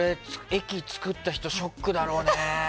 駅を作った人、ショックだろうね。